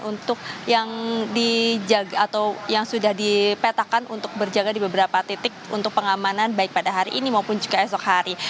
untuk yang sudah dipetakan untuk berjaga di beberapa titik untuk pengamanan baik pada hari ini maupun juga esok hari